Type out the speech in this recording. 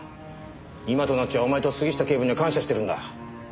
今となっちゃお前と杉下警部には感謝してるんだ。